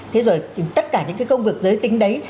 thế rồi tất cả những cái công việc giới tính đấy